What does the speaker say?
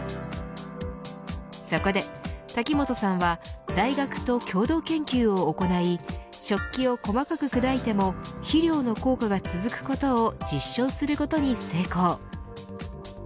そこで滝本さんは大学と共同研究を行い食器を細かく砕いても肥料の効果が続くことを実証することに成功。